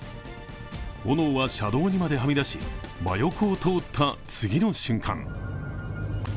炎は車道にまではみ出し、真横を通った次の瞬間